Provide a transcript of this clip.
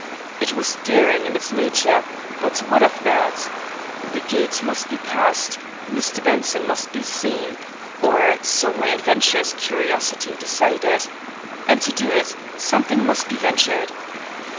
It was daring in its nature, but what of that! The gate must be passed, Mr. Benson must be seen or so my adventurous curiosity decided, and to do it, something must be ventured.